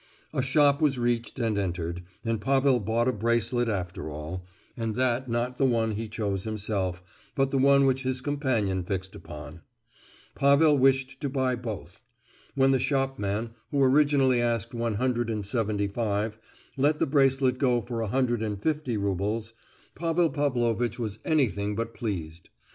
A shop was reached and entered, and Pavel bought a bracelet after all, and that not the one he chose himself, but the one which his companion fixed upon. Pavel wished to buy both. When the shopman, who originally asked one hundred and seventy five, let the bracelet go for a hundred and fifty roubles, Pavel Pavlovitch was anything but pleased.